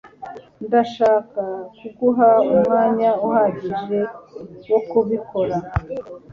Ndashaka kuguha umwanya uhagije wo kubikora.